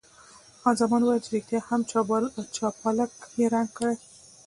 خان زمان ویل چې ریښتیا هم جاپلاک یې رنګ کړی.